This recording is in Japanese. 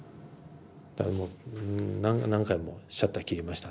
だからもう何回もシャッター切りましたね。